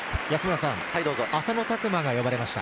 浅野拓磨が呼ばれました。